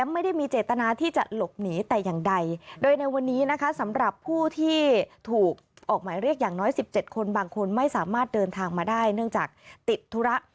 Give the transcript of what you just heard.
ไม่สามารถเดินทางมาได้เนื่องจากติดธุระ